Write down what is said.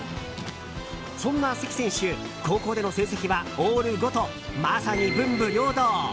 そんな関選手、高校での成績はオール５とまさに文武両道。